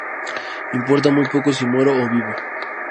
Importa muy poco si muero o vivo.